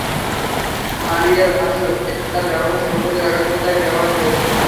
মারিয়ার ভাষ্য, জেমস তাঁর ব্যবসা সুরক্ষিত রাখার জন্য তাঁকে ব্যবহার করেছেন।